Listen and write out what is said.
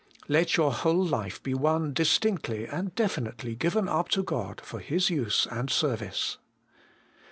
Let your whole life be one distinctly and definitely given up to God for His use and service.